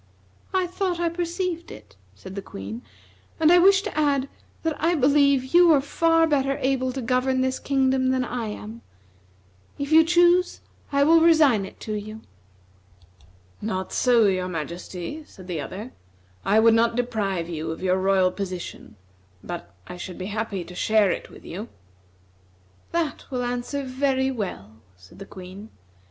"I thought I perceived it," said the Queen, "and I wish to add that I believe you are far better able to govern this kingdom than I am. If you choose I will resign it to you." "Not so, your majesty," said the other; "I would not deprive you of your royal position, but I should be happy to share it with you." "That will answer very well," said the Queen.